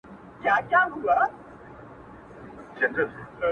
نور څه نه وای چي هر څه وای،